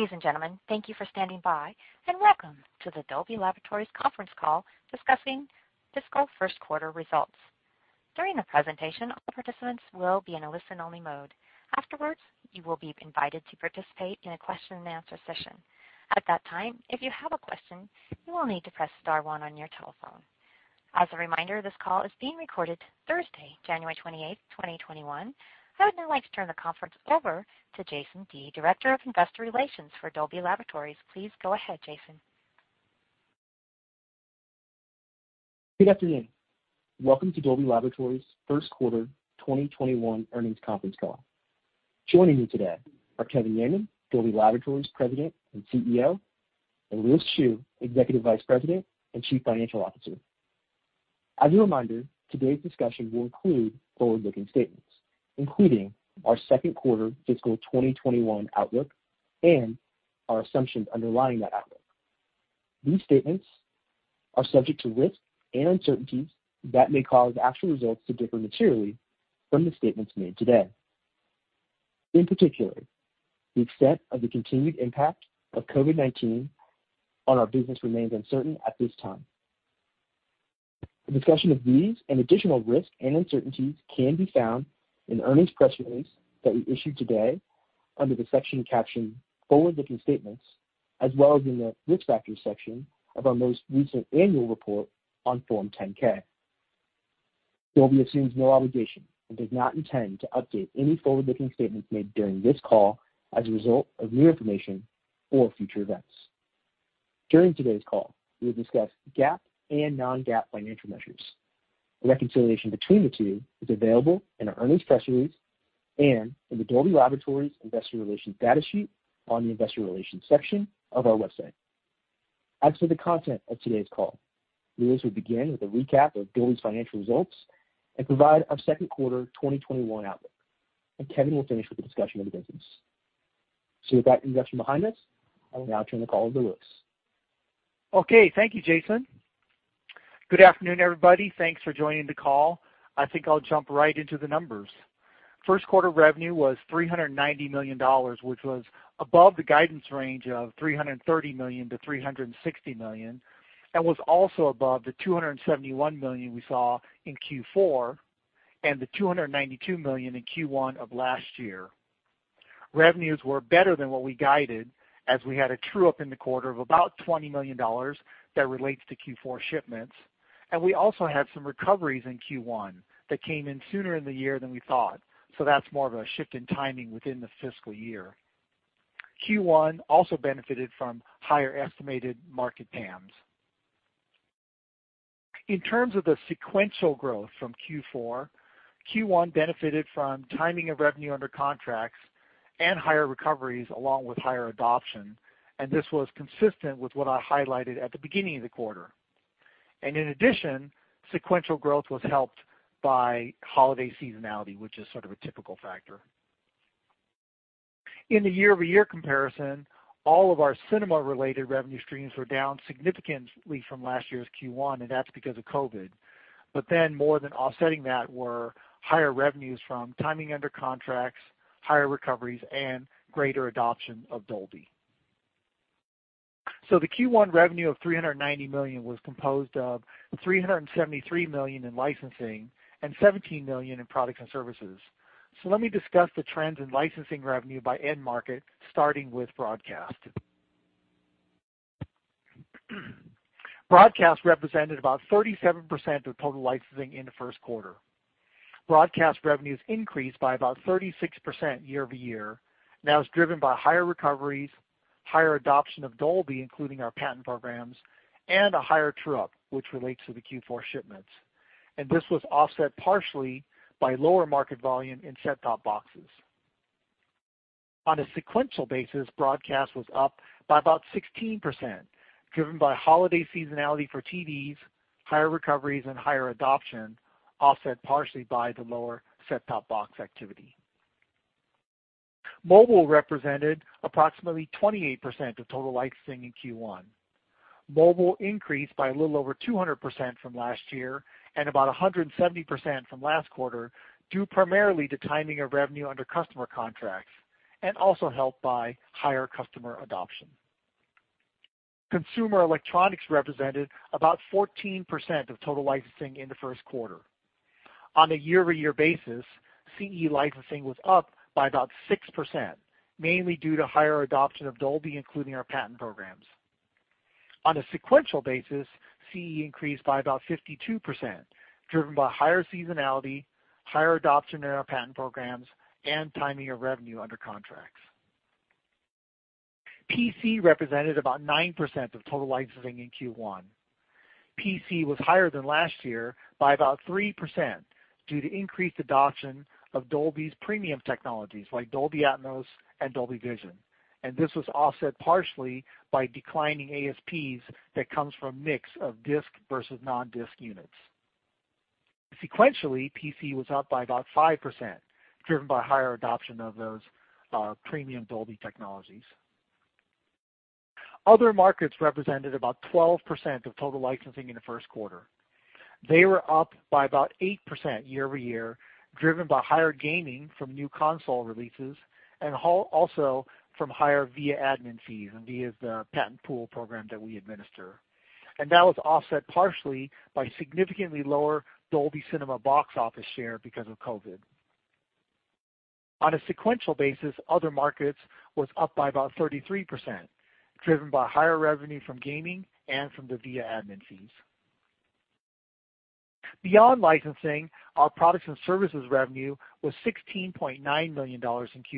Ladies and gentlemen, thank you for standing by, and welcome to the Dolby Laboratories conference call discussing fiscal first quarter results. During the presentation, all participants will be in a listen-only mode. Afterwards, you will be invited to participate in a question and answer session. At that time, if you have a question, you will need to press star one on your telephone. As a reminder, this call is being recorded Thursday, January 28th, 2021. I would now like to turn the conference over to Jason Dea, Director of Investor Relations for Dolby Laboratories. Please go ahead, Jason. Good afternoon. Welcome to Dolby Laboratories' First Quarter 2021 Earnings Conference Call. Joining me today are Kevin Yeaman, Dolby Laboratories President and CEO, and Lewis Chew, Executive Vice President and Chief Financial Officer. As a reminder, today's discussion will include forward-looking statements, including our second quarter fiscal 2021 outlook and our assumptions underlying that outlook. These statements are subject to risks and uncertainties that may cause actual results to differ materially from the statements made today. In particular, the extent of the continued impact of COVID-19 on our business remains uncertain at this time. A discussion of these and additional risks and uncertainties can be found in the earnings press release that we issued today under the section captioned Forward-Looking Statements, as well as in the Risk Factors section of our most recent annual report on Form 10-K. Dolby assumes no obligation and does not intend to update any forward-looking statements made during this call as a result of new information or future events. During today's call, we will discuss GAAP and non-GAAP financial measures. A reconciliation between the two is available in our earnings press release and in the Dolby Laboratories investor relations data sheet on the investor relations section of our website. As to the content of today's call, Lewis will begin with a recap of Dolby's financial results and provide our second quarter 2021 outlook, and Kevin will finish with a discussion of the business. With that introduction behind us, I will now turn the call to Lewis. Okay. Thank you, Jason. Good afternoon, everybody. Thanks for joining the call. I think I'll jump right into the numbers. First quarter revenue was $390 million, which was above the guidance range of $330 million-$360 million, and was also above the $271 million we saw in Q4, and the $292 million in Q1 of last year. Revenues were better than what we guided as we had a true-up in the quarter of about $20 million that relates to Q4 shipments, and we also had some recoveries in Q1 that came in sooner in the year than we thought. That's more of a shift in timing within the fiscal year. Q1 also benefited from higher estimated market TAMs. In terms of the sequential growth from Q4, Q1 benefited from timing of revenue under contracts and higher recoveries along with higher adoption, this was consistent with what I highlighted at the beginning of the quarter. In addition, sequential growth was helped by holiday seasonality, which is sort of a typical factor. In the year-over-year comparison, all of our cinema-related revenue streams were down significantly from last year's Q1, and that's because of COVID. More than offsetting that were higher revenues from timing under contracts, higher recoveries, and greater adoption of Dolby. The Q1 revenue of $390 million was composed of $373 million in licensing and $17 million in products and services. Let me discuss the trends in licensing revenue by end market, starting with broadcast. Broadcast represented about 37% of total licensing in the first quarter. Broadcast revenues increased by about 36% year-over-year, That was driven by higher recoveries, higher adoption of Dolby, including our patent programs, and a higher true-up, which relates to the Q4 shipments. This was offset partially by lower market volume in set-top boxes. On a sequential basis, broadcast was up by about 16%, driven by holiday seasonality for TVs, higher recoveries, and higher adoption, offset partially by the lower set-top box activity. Mobile represented approximately 28% of total licensing in Q1. Mobile increased by a little over 200% from last year and about 170% from last quarter, due primarily to timing of revenue under customer contracts, Also helped by higher customer adoption. Consumer electronics represented about 14% of total licensing in the first quarter. On a year-over-year basis, CE licensing was up by about 6%, mainly due to higher adoption of Dolby, including our patent programs. On a sequential basis, CE increased by 52%, driven by higher seasonality, higher adoption in our patent programs, and timing of revenue under contracts. PC represented 9% of total licensing in Q1. PC was higher than last year by 3% due to increased adoption of Dolby's premium technologies like Dolby Atmos and Dolby Vision. This was offset partially by declining ASPs that comes from a mix of disc versus non-disc units. Sequentially, PC was up by 5%, driven by higher adoption of those premium Dolby technologies. Other markets represented 12% of total licensing in the first quarter. They were up by 8% year-over-year, driven by higher gaming from new console releases and also from higher Via admin fees, and Via is the patent pool program that we administer. That was offset partially by significantly lower Dolby Cinema box office share because of COVID. On a sequential basis, other markets was up by about 33%, driven by higher revenue from gaming and from the Via admin fees. Beyond licensing, our products and services revenue was $16.9 million in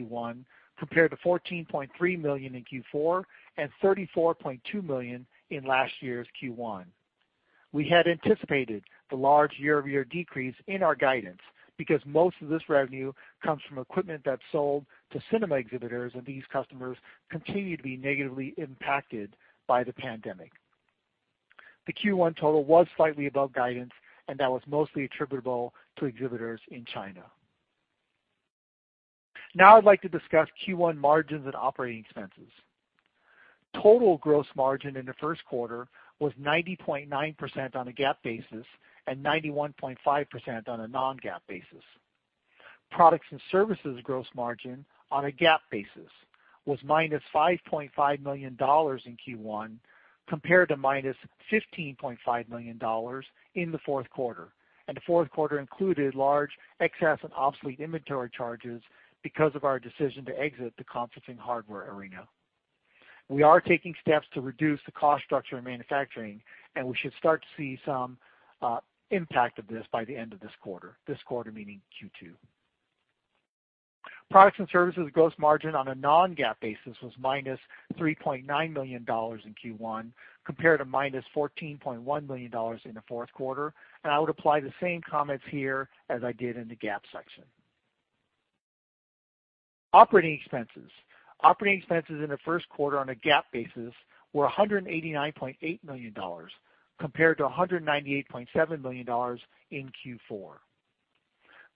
Q1 compared to $14.3 million in Q4, and $34.2 million in last year's Q1. We had anticipated the large year-over-year decrease in our guidance because most of this revenue comes from equipment that's sold to cinema exhibitors, and these customers continue to be negatively impacted by the pandemic. The Q1 total was slightly above guidance, and that was mostly attributable to exhibitors in China. Now I'd like to discuss Q1 margins and operating expenses. Total gross margin in the first quarter was 90.9% on a GAAP basis and 91.5% on a non-GAAP basis. Products and services gross margin on a GAAP basis was -$5.5 million in Q1 compared to -$15.5 million in the fourth quarter. The fourth quarter included large excess and obsolete inventory charges because of our decision to exit the conferencing hardware arena. We are taking steps to reduce the cost structure in manufacturing. We should start to see some impact of this by the end of this quarter, this quarter meaning Q2. Products and services gross margin on a non-GAAP basis was -$3.9 million in Q1 compared to -$14.1 million in the fourth quarter. I would apply the same comments here as I did in the GAAP section. Operating expenses. Operating expenses in the first quarter on a GAAP basis were $189.8 million compared to $198.7 million in Q4.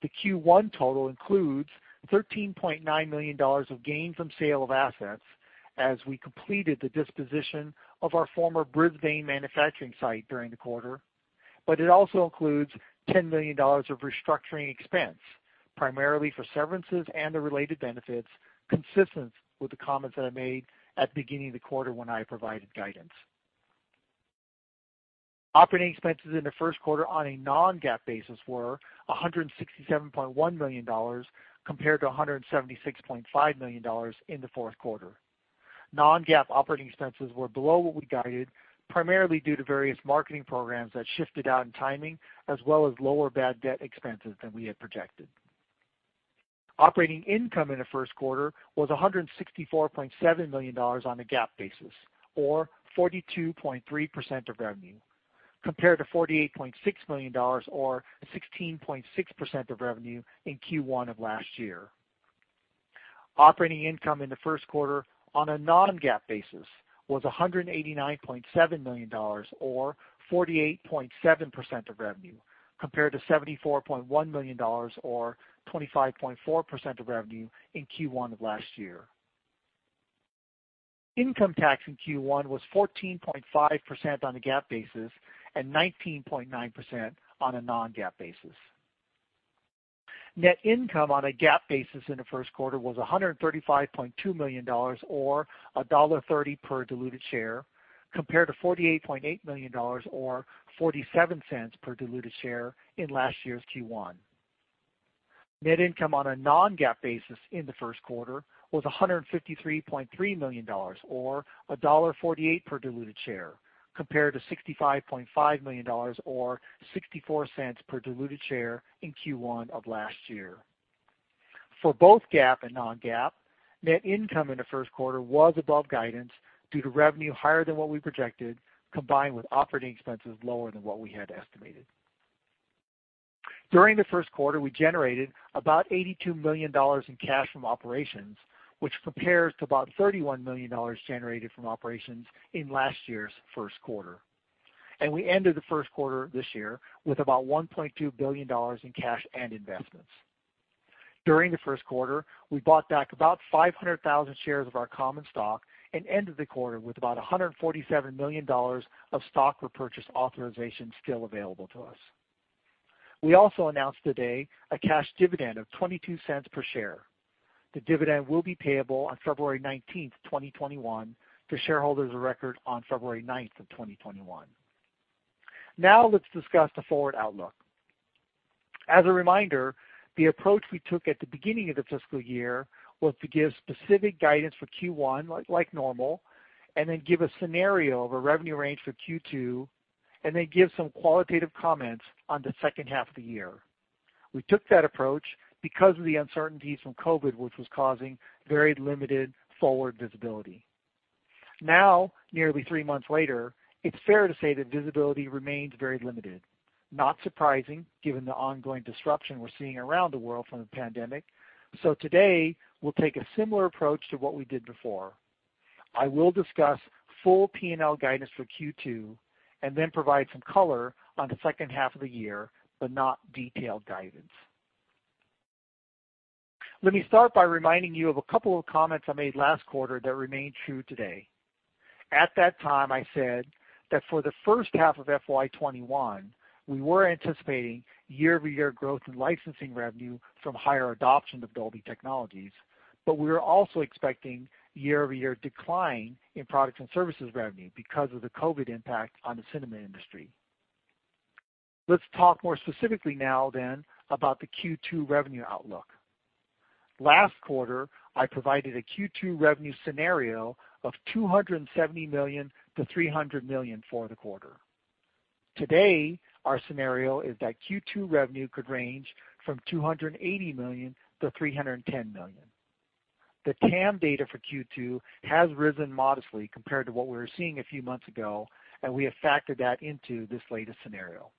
The Q1 total includes $13.9 million of gain from sale of assets as we completed the disposition of our former Brisbane manufacturing site during the quarter, but it also includes $10 million of restructuring expense, primarily for severances and the related benefits, consistent with the comments that I made at the beginning of the quarter when I provided guidance. Operating expenses in the first quarter on a non-GAAP basis were $167.1 million compared to $176.5 million in the fourth quarter. Non-GAAP operating expenses were below what we guided, primarily due to various marketing programs that shifted out in timing, as well as lower bad debt expenses than we had projected. Operating income in the first quarter was $164.7 million on a GAAP basis, or 42.3% of revenue, compared to $48.6 million, or 16.6% of revenue in Q1 of last year. Operating income in the first quarter on a non-GAAP basis was $189.7 million, or 48.7% of revenue, compared to $74.1 million or 25.4% of revenue in Q1 of last year. Income tax in Q1 was 14.5% on a GAAP basis and 19.9% on a non-GAAP basis. Net income on a GAAP basis in the first quarter was $135.2 million, or $1.30 per diluted share, compared to $48.8 million or $0.47 per diluted share in last year's Q1. Net income on a non-GAAP basis in the first quarter was $153.3 million or $1.48 per diluted share, compared to $65.5 million or $0.64 per diluted share in Q1 of last year. For both GAAP and non-GAAP, net income in the first quarter was above guidance due to revenue higher than what we projected, combined with operating expenses lower than what we had estimated. During the first quarter, we generated about $82 million in cash from operations, which compares to about $31 million generated from operations in last year's first quarter. We ended the first quarter this year with about $1.2 billion in cash and investments. During the first quarter, we bought back about 500,000 shares of our common stock and ended the quarter with about $147 million of stock repurchase authorization still available to us. We also announced today a cash dividend of $0.22 per share. The dividend will be payable on February 19th, 2021, to shareholders of record on February 9th of 2021. Now let's discuss the forward outlook. As a reminder, the approach we took at the beginning of the fiscal year was to give specific guidance for Q1, like normal, and then give a scenario of a revenue range for Q2, and then give some qualitative comments on the second half of the year. We took that approach because of the uncertainties from COVID, which was causing very limited forward visibility. Now, nearly three months later, it's fair to say that visibility remains very limited. Not surprising, given the ongoing disruption we're seeing around the world from the pandemic. Today, we'll take a similar approach to what we did before. I will discuss full P&L guidance for Q2 and then provide some color on the second half of the year, but not detailed guidance. Let me start by reminding you of a couple of comments I made last quarter that remain true today. At that time, I said that for the first half of FY 2021, we were anticipating year-over-year growth in licensing revenue from higher adoption of Dolby technologies, but we were also expecting year-over-year decline in products and services revenue because of the COVID impact on the cinema industry. Let's talk more specifically now about the Q2 revenue outlook. Last quarter, I provided a Q2 revenue scenario of $270 million-$300 million for the quarter. Today, our scenario is that Q2 revenue could range from $280 million-$310 million. The TAM data for Q2 has risen modestly compared to what we were seeing a few months ago, we have factored that into this latest scenario.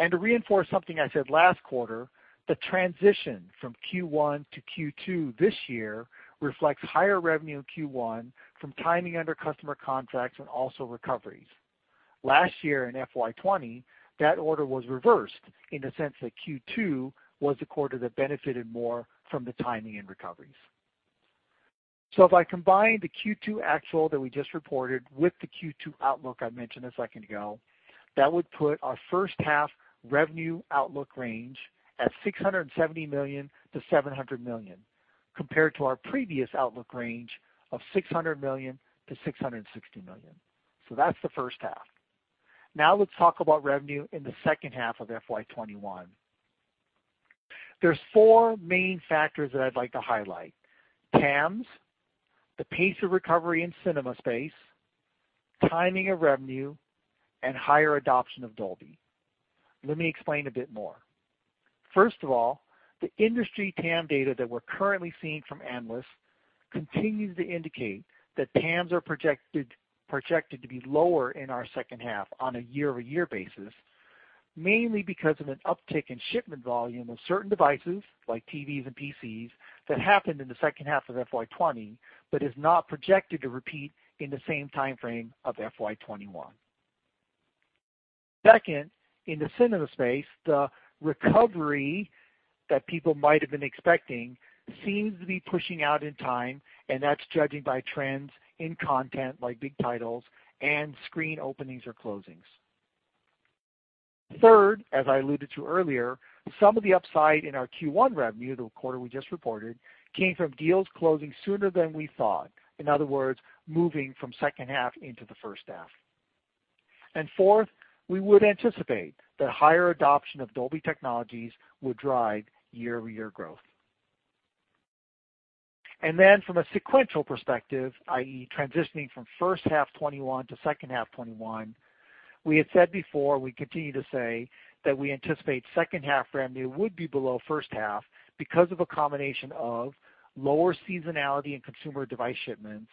To reinforce something I said last quarter, the transition from Q1 to Q2 this year reflects higher revenue in Q1 from timing under customer contracts and also recoveries. Last year in FY 2020, that order was reversed in the sense that Q2 was the quarter that benefited more from the timing and recoveries. If I combine the Q2 actual that we just reported with the Q2 outlook I mentioned a second ago, that would put our first-half revenue outlook range at $670 million-$700 million, compared to our previous outlook range of $600 million-$660 million. That's the first half. Now let's talk about revenue in the second half of FY 2021. There's four main factors that I'd like to highlight: TAMs, the pace of recovery in cinema space, timing of revenue, and higher adoption of Dolby. Let me explain a bit more. First of all, the industry TAM data that we're currently seeing from analysts continues to indicate that TAMs are projected to be lower in our second half on a year-over-year basis, mainly because of an uptick in shipment volume of certain devices, like TVs and PCs, that happened in the second half of FY 2020 but is not projected to repeat in the same timeframe of FY 2021. Second, in the cinema space, the recovery that people might have been expecting seems to be pushing out in time, and that's judging by trends in content, like big titles, and screen openings or closings. Third, as I alluded to earlier, some of the upside in our Q1 revenue, the quarter we just reported, came from deals closing sooner than we thought. In other words, moving from second half into the first half. Fourth, we would anticipate that higher adoption of Dolby technologies will drive year-over-year growth. From a sequential perspective, i.e., transitioning from first half 2021 to second half 2021, we had said before, we continue to say, that we anticipate second half revenue would be below first half because of a combination of lower seasonality in consumer device shipments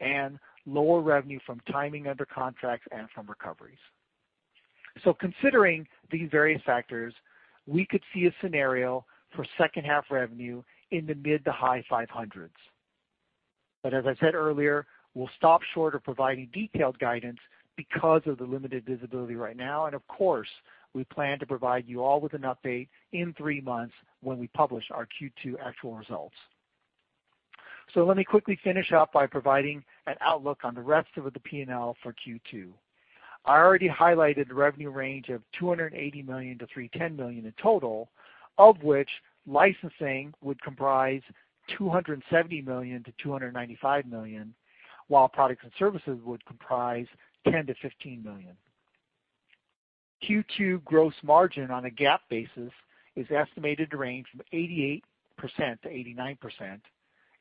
and lower revenue from timing under contracts and from recoveries. Considering these various factors, we could see a scenario for second half revenue in the mid to high $500s. As I said earlier, we'll stop short of providing detailed guidance because of the limited visibility right now, and of course, we plan to provide you all with an update in three months when we publish our Q2 actual results. Let me quickly finish up by providing an outlook on the rest of the P&L for Q2. I already highlighted the revenue range of $280 million-$310 million in total, of which licensing would comprise $270 million-$295 million, while products and services would comprise $10 million-$15 million. Q2 gross margin on a GAAP basis is estimated to range from 88%-89%,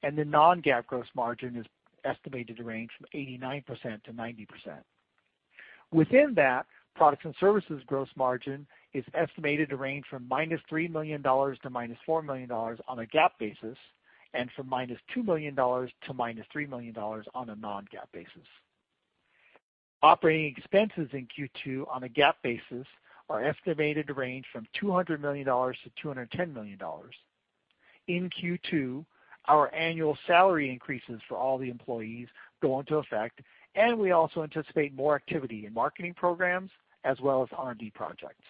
and the non-GAAP gross margin is estimated to range from 89%-90%. Within that, products and services gross margin is estimated to range from -$3 million to -$4 million on a GAAP basis and from -$2 million to -$3 million on a non-GAAP basis. Operating expenses in Q2 on a GAAP basis are estimated to range from $200 million-$210 million. In Q2, our annual salary increases for all the employees go into effect, and we also anticipate more activity in marketing programs as well as R&D projects.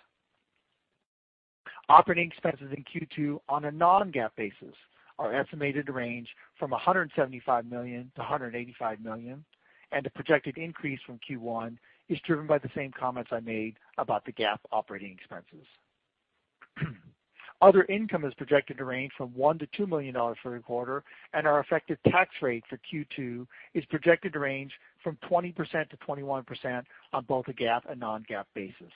Operating expenses in Q2 on a non-GAAP basis are estimated to range from $175 million-$185 million, and the projected increase from Q1 is driven by the same comments I made about the GAAP operating expenses. Other income is projected to range from $1 million-$2 million for the quarter, and our effective tax rate for Q2 is projected to range from 20%-21% on both a GAAP and non-GAAP basis.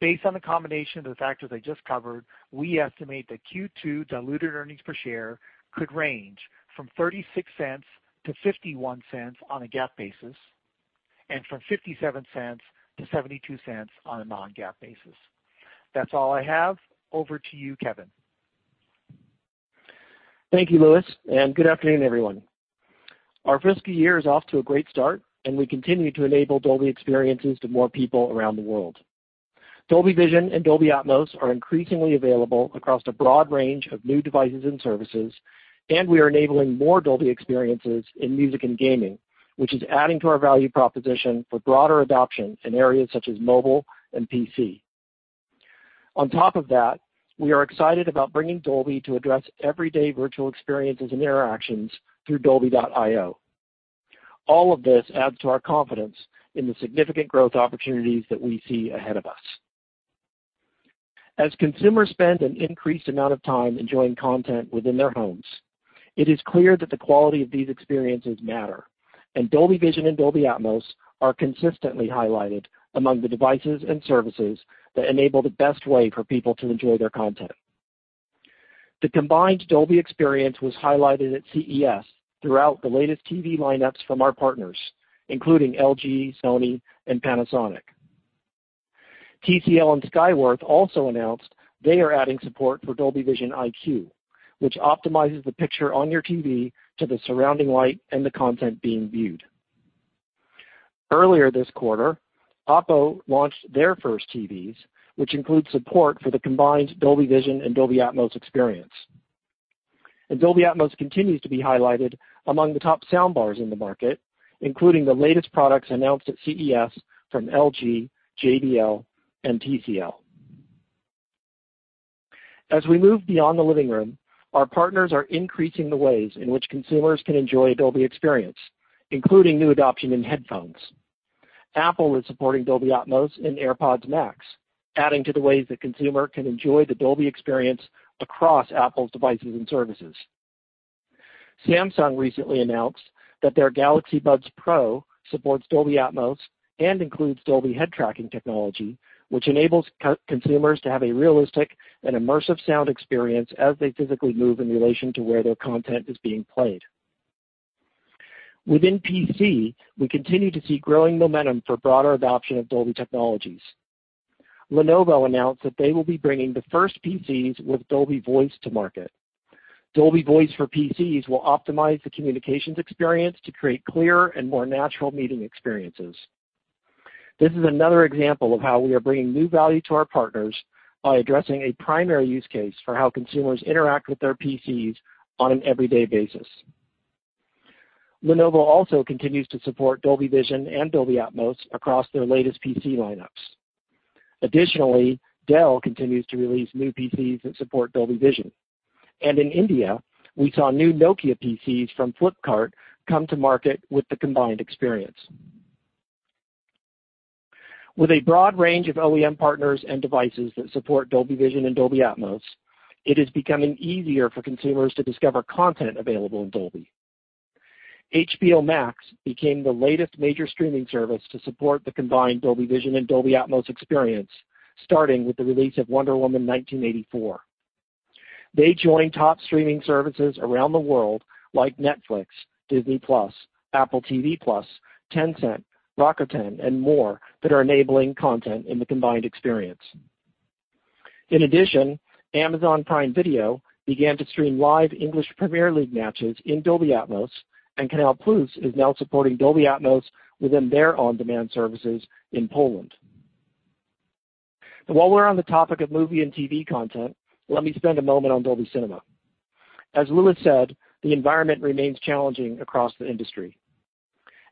Based on the combination of the factors I just covered, we estimate that Q2 diluted earnings per share could range from $0.36-$0.51 on a GAAP basis and from $0.57-$0.72 on a non-GAAP basis. That's all I have. Over to you, Kevin. Thank you, Lewis, and good afternoon, everyone. Our fiscal year is off to a great start, and we continue to enable Dolby experiences to more people around the world. Dolby Vision and Dolby Atmos are increasingly available across a broad range of new devices and services, and we are enabling more Dolby experiences in music and gaming, which is adding to our value proposition for broader adoption in areas such as mobile and PC. On top of that, we are excited about bringing Dolby to address everyday virtual experiences and interactions through Dolby.io. All of this adds to our confidence in the significant growth opportunities that we see ahead of us. As consumers spend an increased amount of time enjoying content within their homes, it is clear that the quality of these experiences matter, and Dolby Vision and Dolby Atmos are consistently highlighted among the devices and services that enable the best way for people to enjoy their content. The combined Dolby experience was highlighted at CES throughout the latest TV lineups from our partners, including LG, Sony, and Panasonic. TCL and Skyworth also announced they are adding support for Dolby Vision IQ, which optimizes the picture on your TV to the surrounding light and the content being viewed. Earlier this quarter, OPPO launched their first TVs, which include support for the combined Dolby Vision and Dolby Atmos experience. Dolby Atmos continues to be highlighted among the top sound bars in the market, including the latest products announced at CES from LG, JBL, and TCL. As we move beyond the living room, our partners are increasing the ways in which consumers can enjoy a Dolby experience, including new adoption in headphones. Apple is supporting Dolby Atmos in AirPods Max, adding to the ways that consumers can enjoy the Dolby experience across Apple's devices and services. Samsung recently announced that their Galaxy Buds Pro supports Dolby Atmos and includes Dolby head tracking technology, which enables consumers to have a realistic and immersive sound experience as they physically move in relation to where their content is being played. Within PC, we continue to see growing momentum for broader adoption of Dolby technologies. Lenovo announced that they will be bringing the first PCs with Dolby Voice to market. Dolby Voice for PCs will optimize the communications experience to create clearer and more natural meeting experiences. This is another example of how we are bringing new value to our partners by addressing a primary use case for how consumers interact with their PCs on an everyday basis. Lenovo also continues to support Dolby Vision and Dolby Atmos across their latest PC lineups. Additionally, Dell continues to release new PCs that support Dolby Vision. In India, we saw new Nokia PCs from Flipkart come to market with the combined experience. With a broad range of OEM partners and devices that support Dolby Vision and Dolby Atmos, it is becoming easier for consumers to discover content available in Dolby. HBO Max became the latest major streaming service to support the combined Dolby Vision and Dolby Atmos experience, starting with the release of Wonder Woman 1984. They join top streaming services around the world like Netflix, Disney+, Apple TV+, Tencent, Rakuten, and more that are enabling content in the combined experience. In addition, Amazon Prime Video began to stream live English Premier League matches in Dolby Atmos, and Canal+ is now supporting Dolby Atmos within their on-demand services in Poland. While we're on the topic of movie and TV content, let me spend a moment on Dolby Cinema. As Lewis has said, the environment remains challenging across the industry.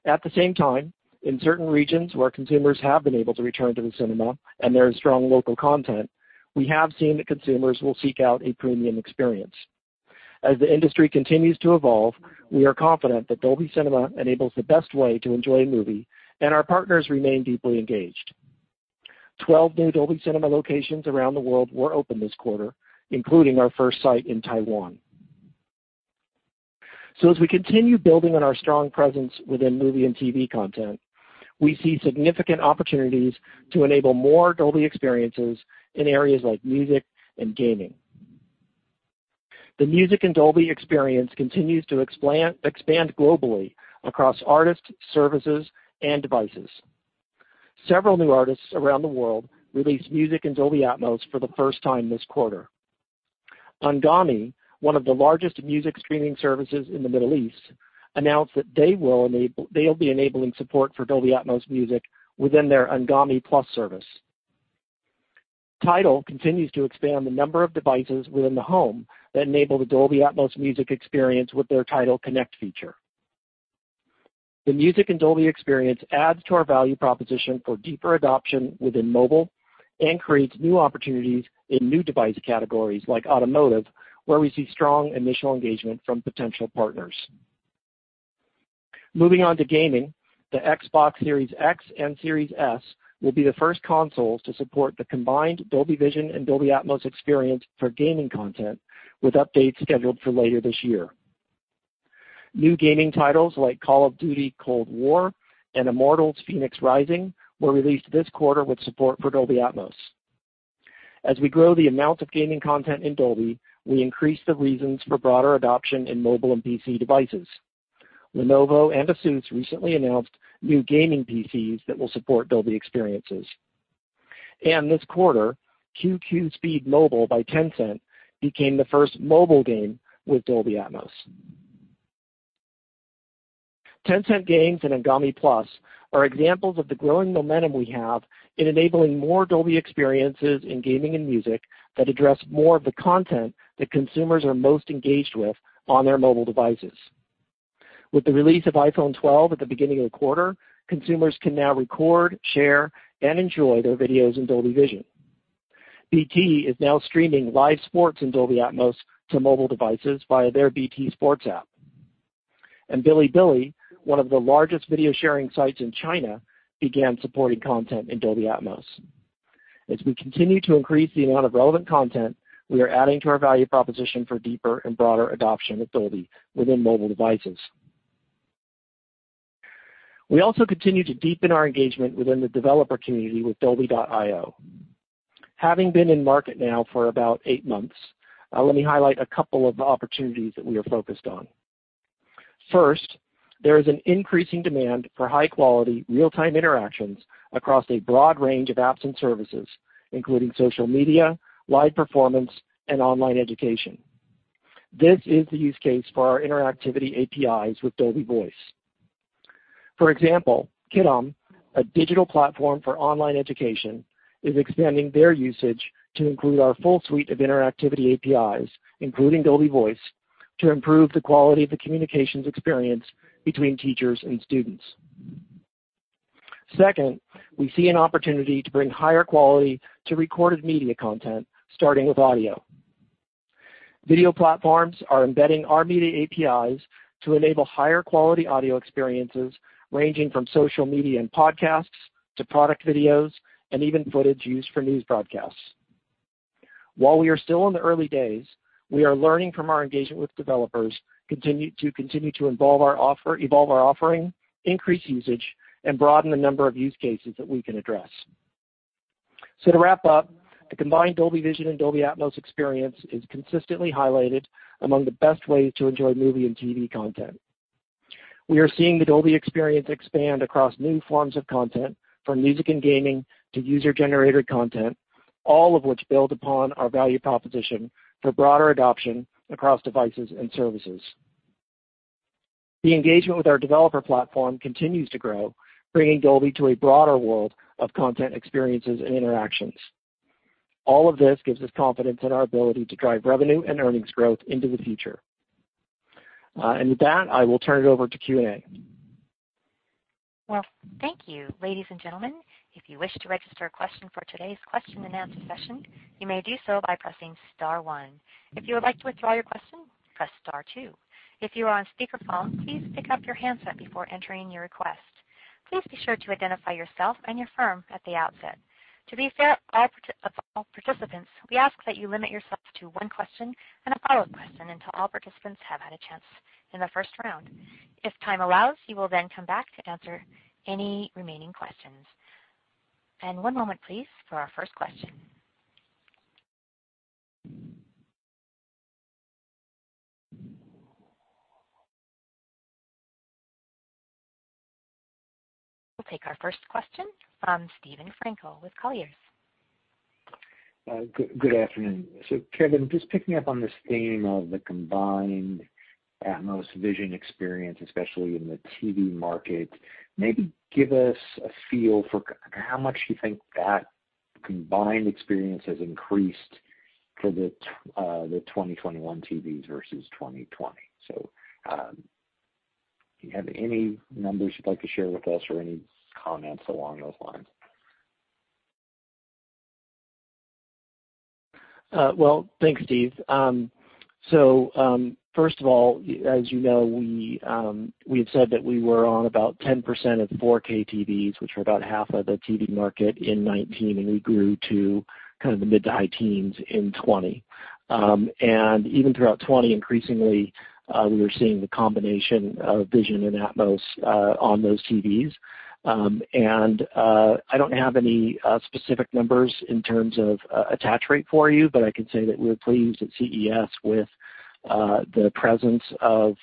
At the same time, in certain regions where consumers have been able to return to the cinema and there is strong local content, we have seen that consumers will seek out a premium experience. As the industry continues to evolve, we are confident that Dolby Cinema enables the best way to enjoy a movie, and our partners remain deeply engaged. 12 new Dolby Cinema locations around the world were opened this quarter, including our first site in Taiwan. As we continue building on our strong presence within movie and TV content, we see significant opportunities to enable more Dolby experiences in areas like music and gaming. The music in Dolby experience continues to expand globally across artists, services, and devices. Several new artists around the world released music in Dolby Atmos for the first time this quarter. Anghami, one of the largest music streaming services in the Middle East, announced that they'll be enabling support for Dolby Atmos music within their Anghami Plus service. TIDAL continues to expand the number of devices within the home that enable the Dolby Atmos music experience with their Tidal Connect feature. The music in Dolby experience adds to our value proposition for deeper adoption within mobile and creates new opportunities in new device categories like automotive, where we see strong initial engagement from potential partners. Moving on to gaming, the Xbox Series X and Series S will be the first consoles to support the combined Dolby Vision and Dolby Atmos experience for gaming content, with updates scheduled for later this year. New gaming titles like Call of Duty: Cold War and Immortals Fenyx Rising were released this quarter with support for Dolby Atmos. As we grow the amount of gaming content in Dolby, we increase the reasons for broader adoption in mobile and PC devices. Lenovo and ASUS recently announced new gaming PCs that will support Dolby experiences. This quarter, QQ Speed Mobile by Tencent became the first mobile game with Dolby Atmos. Tencent Games and Anghami Plus are examples of the growing momentum we have in enabling more Dolby experiences in gaming and music that address more of the content that consumers are most engaged with on their mobile devices. With the release of iPhone 12 at the beginning of the quarter, consumers can now record, share, and enjoy their videos in Dolby Vision. BT is now streaming live sports in Dolby Atmos to mobile devices via their BT Sport app. Bilibili, one of the largest video-sharing sites in China, began supporting content in Dolby Atmos. As we continue to increase the amount of relevant content, we are adding to our value proposition for deeper and broader adoption of Dolby within mobile devices. We also continue to deepen our engagement within the developer community with Dolby.io. Having been in market now for about eight months, let me highlight a couple of opportunities that we are focused on. First, there is an increasing demand for high-quality real-time interactions across a broad range of apps and services, including social media, live performance, and online education. This is the use case for our interactivity APIs with Dolby Voice. For example, Kiddom, a digital platform for online education, is expanding their usage to include our full suite of interactivity APIs, including Dolby Voice, to improve the quality of the communications experience between teachers and students. Second, we see an opportunity to bring higher quality to recorded media content, starting with audio. Video platforms are embedding our media APIs to enable higher quality audio experiences ranging from social media and podcasts to product videos, and even footage used for news broadcasts. While we are still in the early days, we are learning from our engagement with developers to continue to evolve our offering, increase usage, and broaden the number of use cases that we can address. To wrap up, the combined Dolby Vision and Dolby Atmos experience is consistently highlighted among the best ways to enjoy movie and TV content. We are seeing the Dolby experience expand across new forms of content, from music and gaming to user-generated content, all of which build upon our value proposition for broader adoption across devices and services. The engagement with our developer platform continues to grow, bringing Dolby to a broader world of content experiences and interactions. All of this gives us confidence in our ability to drive revenue and earnings growth into the future. With that, I will turn it over to Q&A. Well, thank you. Ladies and gentlemen, if you wish to register a question for today's question-and-answer session, you may do so by pressing star one. If you would like to withdraw your question, press star two. If you are on speakerphone, please pick up your handset before entering your request. Please be sure to identify yourself and your firm at the outset. To be fair to all participants, we ask that you limit yourself to one question and a follow-up question until all participants have had a chance in the first round. If time allows, we will then come back to answer any remaining questions. One moment, please, for our first question. We'll take our first question from Steven Frankel with Colliers. Good afternoon. Kevin, just picking up on this theme of the combined Atmos-Vision experience, especially in the TV market, maybe give us a feel for how much you think that combined experience has increased for the 2021 TVs versus 2020. Do you have any numbers you'd like to share with us or any comments along those lines? Well, thanks, Steve. First of all, as you know, we had said that we were on about 10% of 4K TVs, which are about half of the TV market in 2019, and we grew to the mid to high teens in 2020. Even throughout 2020, increasingly, we were seeing the combination of Vision and Atmos on those TVs. I don't have any specific numbers in terms of attach rate for you, but I can say that we were pleased at CES with the presence of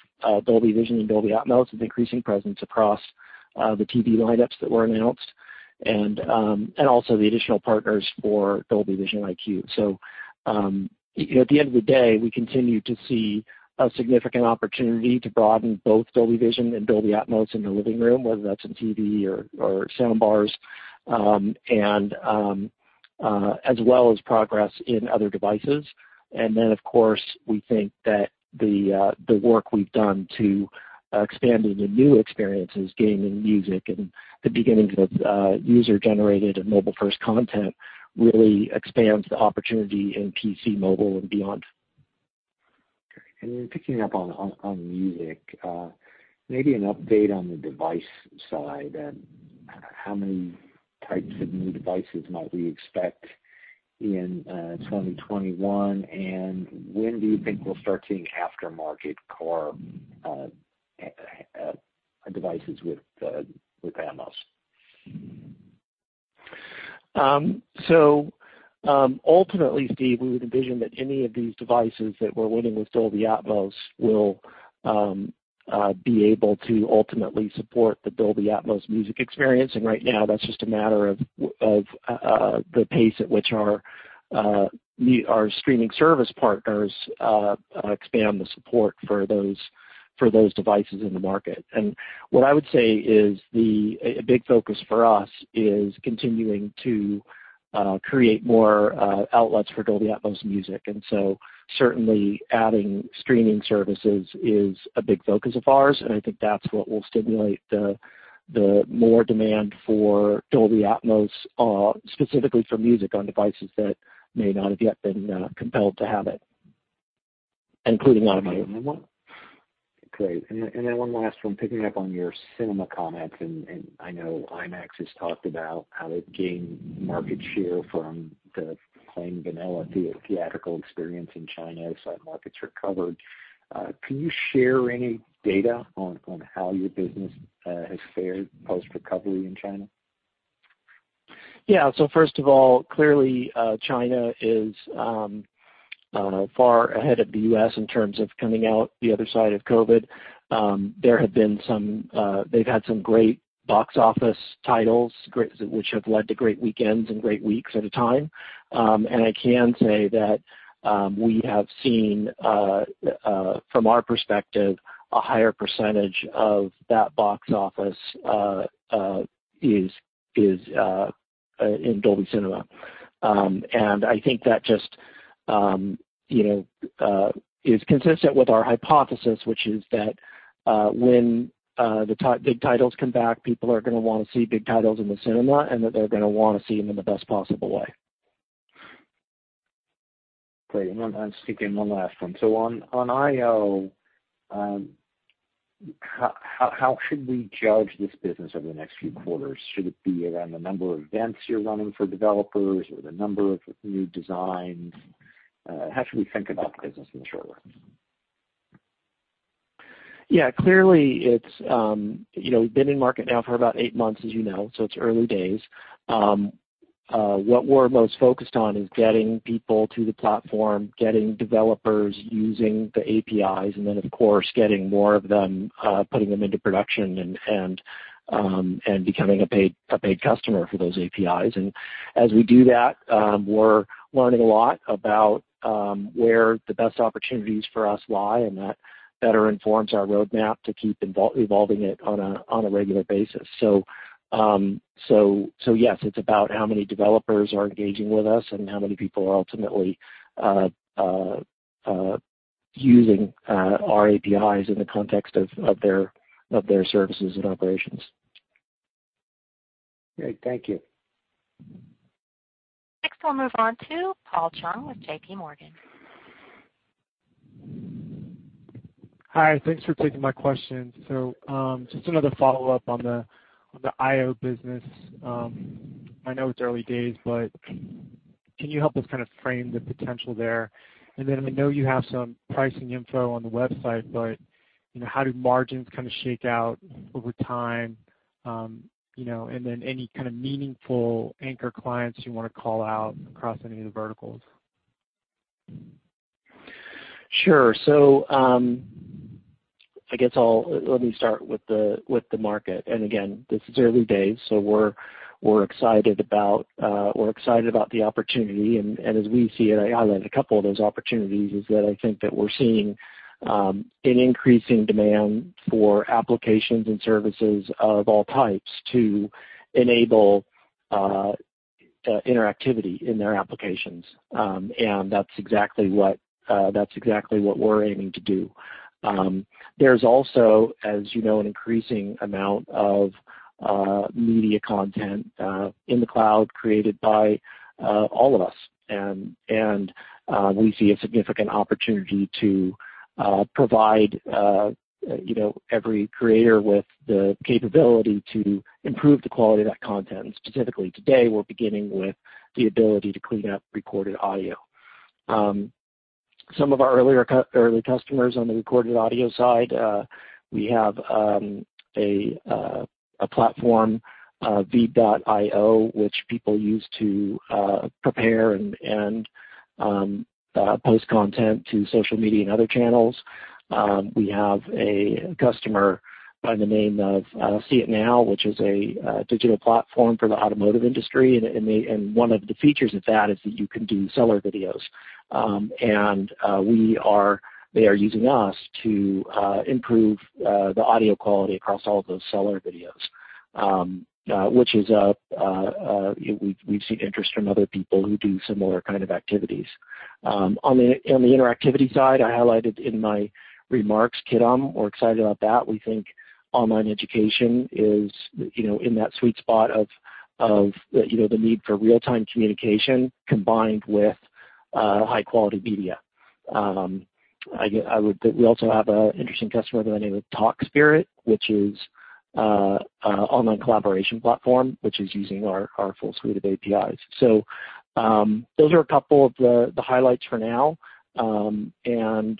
Dolby Vision and Dolby Atmos with increasing presence across the TV lineups that were announced, and also the additional partners for Dolby Vision IQ. At the end of the day, we continue to see a significant opportunity to broaden both Dolby Vision and Dolby Atmos in the living room, whether that's in TV or soundbars, as well as progress in other devices. Of course, we think that the work we've done to expanding the new experiences, gaming, music, and the beginnings of user-generated and mobile-first content really expands the opportunity in PC, mobile, and beyond. Great. Picking up on music, maybe an update on the device side and how many types of new devices might we expect in 2021, and when do you think we'll start seeing aftermarket car devices with Atmos? Ultimately, Steve, we would envision that any of these devices that we're winning with Dolby Atmos will be able to ultimately support the Dolby Atmos music experience. Right now, that's just a matter of the pace at which our streaming service partners expand the support for those devices in the market. What I would say is a big focus for us is continuing to create more outlets for Dolby Atmos music. Certainly adding streaming services is a big focus of ours, and I think that's what will stimulate the more demand for Dolby Atmos, specifically for music on devices that may not have yet been compelled to have it, including automotive and more. Great. Then one last one, picking up on your cinema comments, and I know IMAX has talked about how they've gained market share from the plain vanilla theatrical experience in China as that market's recovered. Can you share any data on how your business has fared post-recovery in China? First of all, clearly, China is far ahead of the U.S. in terms of coming out the other side of COVID. They've had some great box office titles, which have led to great weekends and great weeks at a time. I can say that we have seen, from our perspective, a higher percentage of that box office is in Dolby Cinema. I think that just is consistent with our hypothesis, which is that when the big titles come back, people are going to want to see big titles in the cinema, and that they're going to want to see them in the best possible way. Great. I'll just sneak in one last one. On io, how should we judge this business over the next few quarters? Should it be around the number of events you're running for developers or the number of new designs? How should we think about the business in the short run? Clearly, we've been in market now for about eight months, as you know. It's early days. What we're most focused on is getting people to the platform, getting developers using the APIs, and then of course, getting more of them, putting them into production and becoming a paid customer for those APIs. As we do that, we're learning a lot about where the best opportunities for us lie, and that better informs our roadmap to keep evolving it on a regular basis. Yes, it's about how many developers are engaging with us and how many people are ultimately using our APIs in the context of their services and operations. Great. Thank you. Next, we'll move on to Paul Chung with JPMorgan. Hi. Thanks for taking my question. Just another follow-up on the io business. I know it's early days, but can you help us kind of frame the potential there? I know you have some pricing info on the website, but how do margins kind of shake out over time? Any kind of meaningful anchor clients you want to call out across any of the verticals? Sure. Let me start with the market. Again, this is early days, so we're excited about the opportunity, and as we see it, I outlined a couple of those opportunities, is that I think that we're seeing an increasing demand for applications and services of all types to enable interactivity in their applications. That's exactly what we're aiming to do. There's also, as you know, an increasing amount of media content in the cloud created by all of us. We see a significant opportunity to provide every creator with the capability to improve the quality of that content. Specifically today, we're beginning with the ability to clean up recorded audio. Some of our early customers on the recorded audio side, we have a platform, VEED.IO, which people use to prepare and post content to social media and other channels. We have a customer by the name of CitNOW, which is a digital platform for the automotive industry. One of the features of that is that you can do seller videos. They are using us to improve the audio quality across all of those seller videos, which we've seen interest from other people who do similar kind of activities. On the interactivity side, I highlighted in my remarks, Kiddom. We're excited about that. We think online education is in that sweet spot of the need for real-time communication combined with high-quality media. We also have an interesting customer by the name of Talkspirit, which is an online collaboration platform, which is using our full suite of APIs. Those are a couple of the highlights for now. Like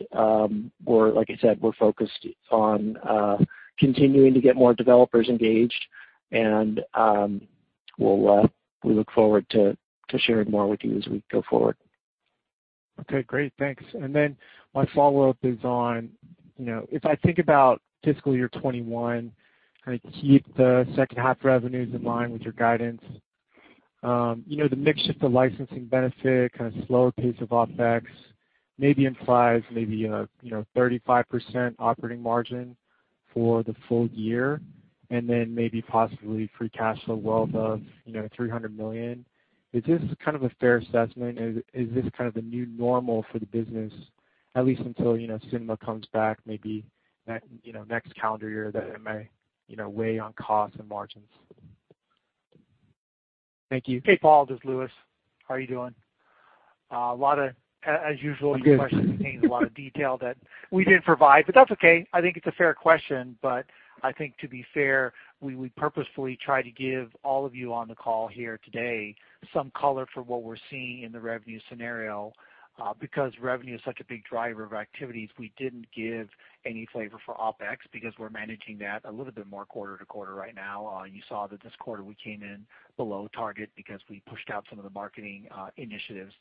I said, we're focused on continuing to get more developers engaged, and we look forward to sharing more with you as we go forward. Okay, great. Thanks. My follow-up is on, if I think about fiscal year 2021, kind of keep the second half revenues in line with your guidance. The mix shift to licensing benefit, kind of slower pace of OpEx maybe implies maybe a 35% operating margin for the full year, and then maybe possibly free cash flow wealth of $300 million. Is this kind of a fair assessment? Is this kind of the new normal for the business, at least until cinema comes back, maybe next calendar year, that it might weigh on costs and margins? Thank you. Hey, Paul, this is Lewis. How are you doing? I'm good. Your question contains a lot of detail that we didn't provide, but that's okay. I think it's a fair question. I think to be fair, we purposefully try to give all of you on the call here today some color for what we're seeing in the revenue scenario. Revenue is such a big driver of activities, we didn't give any flavor for OpEx because we're managing that a little bit more quarter to quarter right now. You saw that this quarter we came in below target because we pushed out some of the marketing initiatives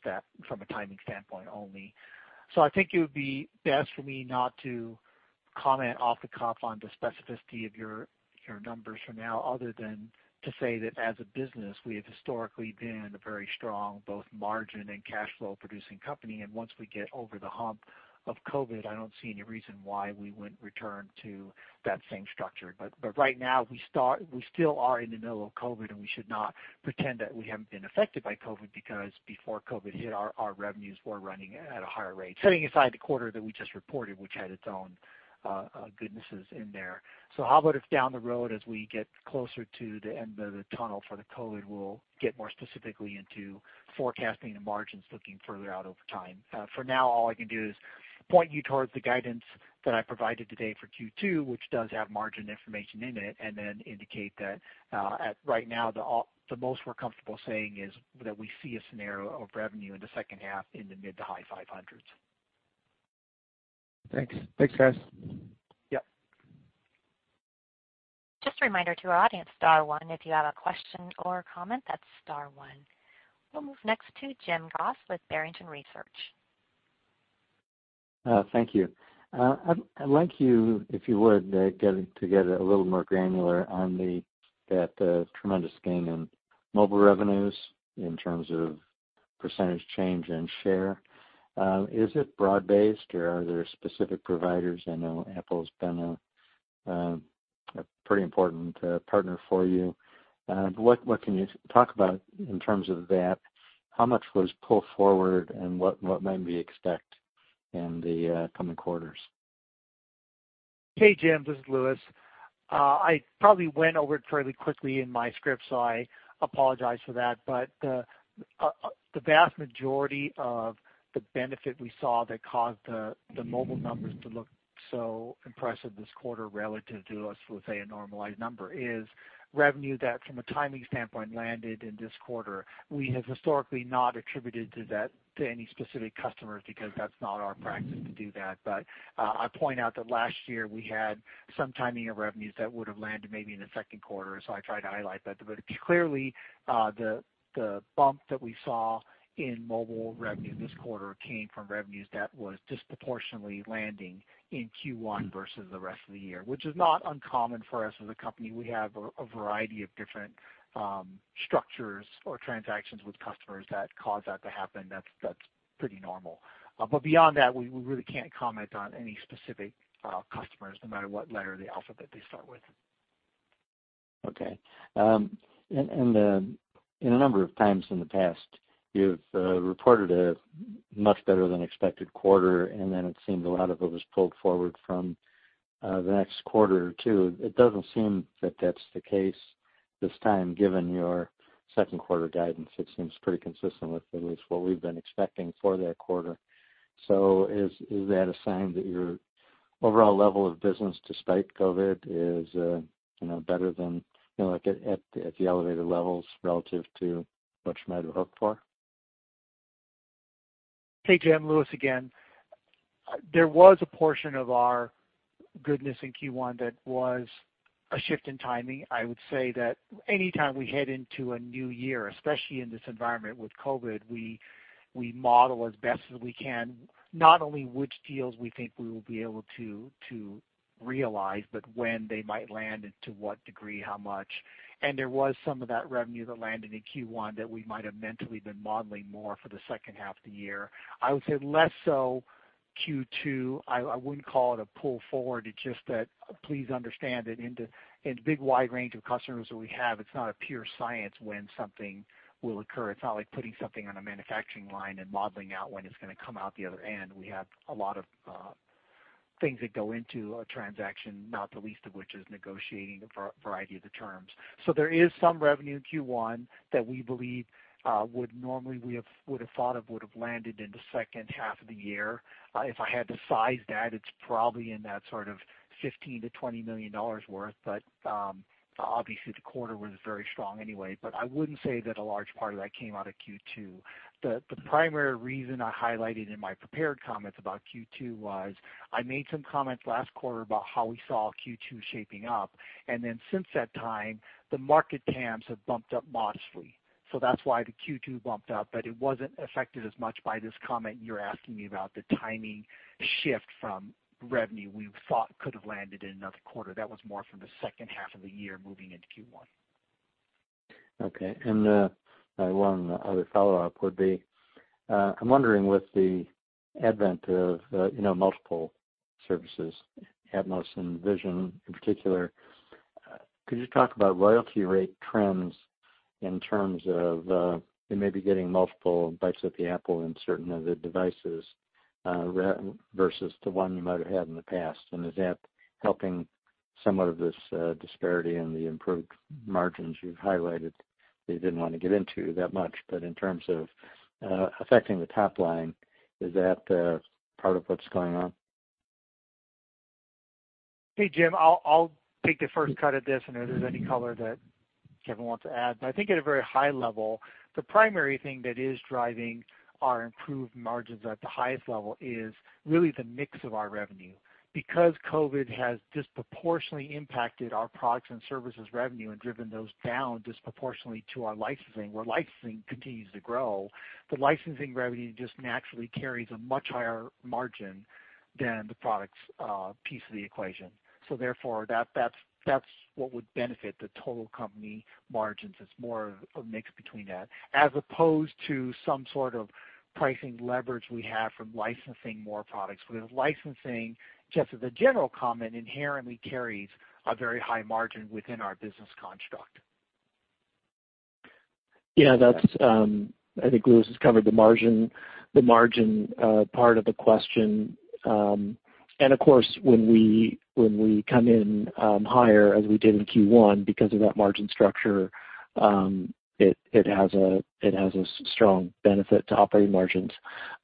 from a timing standpoint only. I think it would be best for me not to comment off the cuff on the specificity of your numbers for now, other than to say that as a business, we have historically been a very strong both margin and cash flow producing company. Once we get over the hump of COVID, I don't see any reason why we wouldn't return to that same structure. Right now, we still are in the middle of COVID, and we should not pretend that we haven't been affected by COVID, because before COVID hit, our revenues were running at a higher rate. Setting aside the quarter that we just reported, which had its own goodnesses in there. How about if down the road, as we get closer to the end of the tunnel for the COVID, we'll get more specifically into forecasting the margins, looking further out over time. For now, all I can do is point you towards the guidance that I provided today for Q2, which does have margin information in it, and then indicate that right now, the most we're comfortable saying is that we see a scenario of revenue in the second half in the mid to high $500s. Thanks. Thanks, guys. Yep. Just a reminder to our audience, star one if you have a question or comment. That's star one. We'll move next to Jim Goss with Barrington Research. Thank you. I'd like you, if you would, to get a little more granular on that tremendous gain in mobile revenues in terms of percentage change and share. Is it broad-based or are there specific providers? I know Apple's been a pretty important partner for you. What can you talk about in terms of that? How much was pulled forward, and what might we expect in the coming quarters? Hey, Jim, this is Lewis. I probably went over it fairly quickly in my script, so I apologize for that. The vast majority of the benefit we saw that caused the mobile numbers to look so impressive this quarter relative to, let's say, a normalized number, is revenue that from a timing standpoint landed in this quarter. We have historically not attributed to any specific customers because that's not our practice to do that. I point out that last year we had some timing of revenues that would've landed maybe in the second quarter, so I try to highlight that. Clearly, the bump that we saw in mobile revenue this quarter came from revenues that was disproportionately landing in Q1 versus the rest of the year, which is not uncommon for us as a company. We have a variety of different structures or transactions with customers that cause that to happen. That's pretty normal. Beyond that, we really can't comment on any specific customers no matter what letter of the alphabet they start with. Okay. In a number of times in the past, you've reported a much better than expected quarter, and then it seemed a lot of it was pulled forward from the next quarter or two. It doesn't seem that that's the case this time, given your second quarter guidance. It seems pretty consistent with at least what we've been expecting for that quarter. Is that a sign that your overall level of business despite COVID is better than at the elevated levels relative to what you might have hoped for? Hey, Jim, Lewis again. There was a portion of our goodness in Q1 that was a shift in timing. I would say that any time we head into a new year, especially in this environment with COVID, we model as best as we can, not only which deals we think we will be able to realize, but when they might land and to what degree, how much. There was some of that revenue that landed in Q1 that we might have mentally been modeling more for the second half of the year. I would say less so Q2. I wouldn't call it a pull forward. It's just that please understand that in the big wide range of customers that we have, it's not a pure science when something will occur. It's not like putting something on a manufacturing line and modeling out when it's going to come out the other end. We have a lot of things that go into a transaction, not the least of which is negotiating a variety of the terms. There is some revenue in Q1 that we believe normally we would have thought of would have landed in the second half of the year. If I had to size that, it's probably in that sort of $15 million-$20 million worth. Obviously the quarter was very strong anyway, but I wouldn't say that a large part of that came out of Q2. The primary reason I highlighted in my prepared comments about Q2 was I made some comments last quarter about how we saw Q2 shaping up, and then since that time, the market TAMs have bumped up modestly. That's why the Q2 bumped up, but it wasn't affected as much by this comment you're asking me about, the timing shift from revenue we thought could have landed in another quarter. That was more from the second half of the year moving into Q1. Okay. My one other follow-up would be, I'm wondering with the advent of multiple services, Atmos and Vision in particular, could you talk about royalty rate trends in terms of you maybe getting multiple bites at the Apple in certain of the devices versus the one you might have had in the past? Is that helping some of this disparity in the improved margins you've highlighted that you didn't want to get into that much, but in terms of affecting the top line, is that part of what's going on? Hey, Jim, I'll take the first cut at this, and if there's any color that Kevin wants to add. I think at a very high level, the primary thing that is driving our improved margins at the highest level is really the mix of our revenue. COVID has disproportionately impacted our products and services revenue and driven those down disproportionately to our licensing, where licensing continues to grow. The licensing revenue just naturally carries a much higher margin than the products piece of the equation. Therefore, that's what would benefit the total company margins. It's more of a mix between that, as opposed to some sort of pricing leverage we have from licensing more products. Licensing, just as a general comment, inherently carries a very high margin within our business construct. Yeah, that's, I think Lewis has covered the margin part of the question. Of course, when we come in higher as we did in Q1 because of that margin structure, it has a strong benefit to operating margins.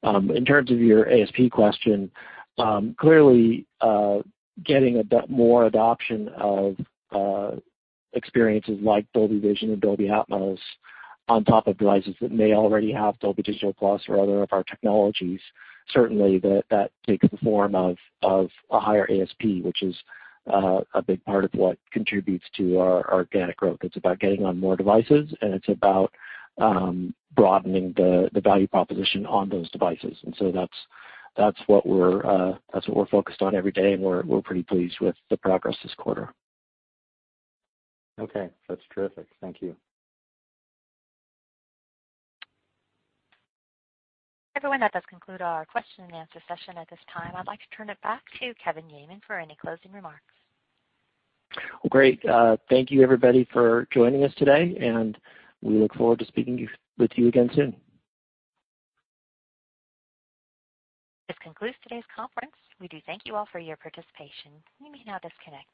In terms of your ASP question, clearly getting more adoption of experiences like Dolby Vision and Dolby Atmos on top of devices that may already have Dolby Digital Plus or other of our technologies. Certainly that takes the form of a higher ASP, which is a big part of what contributes to our organic growth. It's about getting on more devices, and it's about broadening the value proposition on those devices. So that's what we're focused on every day, and we're pretty pleased with the progress this quarter. Okay, that's terrific. Thank you. Everyone, that does conclude our question and answer session at this time. I'd like to turn it back to Kevin Yeaman for any closing remarks. Well, great. Thank you everybody for joining us today, and we look forward to speaking with you again soon. This concludes today's conference. We do thank you all for your participation. You may now disconnect.